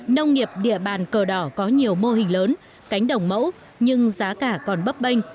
nông nghiệp địa bàn cờ đỏ có nhiều mô hình lớn cánh đồng mẫu nhưng giá cả còn bấp bênh